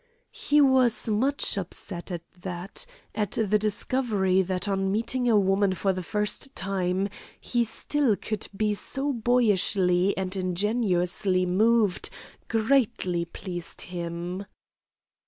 He was much upset at that, and the discovery that on meeting a woman for the first time he still could be so boyishly and ingenuously moved greatly pleased him.